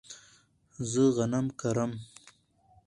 زه غنم کرم